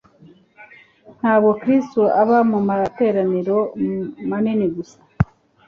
Ntabwo Kristo aba mu materaniro manini gusa;